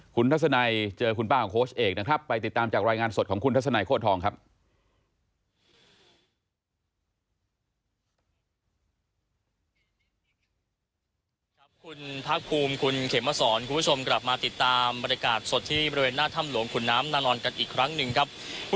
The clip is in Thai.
คุณทัศนัยเจอคุณป้าของโค้ชเอกนะครับไปติดตามจากรายงานสดของคุณทัศนัยโค้ดทองครับ